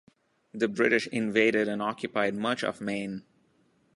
The British invaded and occupied much of Maine.